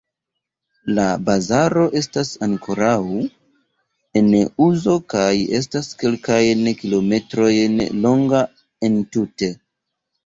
La bazaro estas ankoraŭ en uzo kaj estas kelkajn kilometrojn longa entute.